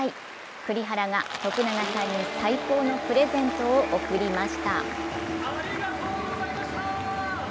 栗原が徳永さんに最高のプレゼントを贈りました。